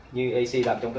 như ac làm trong phim